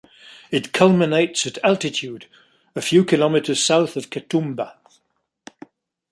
It culminates at altitude, a few kilometers south of Katoomba.